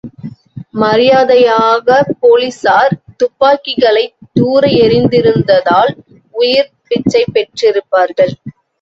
மரியாதையாகப் போலிஸார் துப்பாக்கிகளைத் துார எறிந்திருந்ததால், உயிர்ப் பிச்சை பெற்றிருப்பார்கள்.